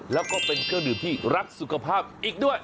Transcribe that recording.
แล้วก็เป็นเครื่องดื่มที่รักสุขภาพอีกด้วย